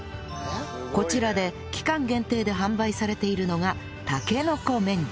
こちらで期間限定で販売されているのがたけのこメンチ